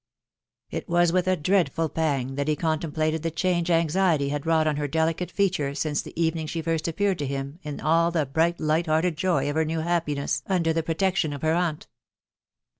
. It was with a dreadful pang that he contemplated me change anxiety had wrought on her delicate features' sines the evening she first appeared to him in all the bright fighi hearted joy of her new happiness under the protection of her aunt.